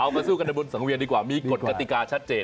มาสู้กันในบนสังเวียนดีกว่ามีกฎกติกาชัดเจน